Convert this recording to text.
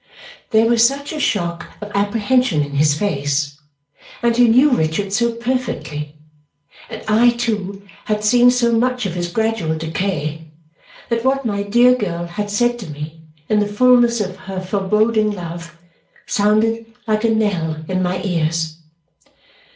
There was such a shock of apprehension in his face, and he knew Richard so perfectly, and I too had seen so much of his gradual decay, that what my dear girl had said to me in the fullness of her foreboding love sounded like a knell in my ears.